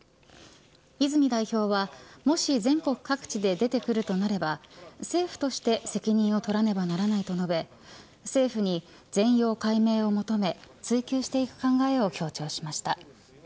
泉代表はもし全国各地で出てくるとなれば政府として責任を取らねばならないと述べ政府に全容解明を求め追及していく考えを強調しました。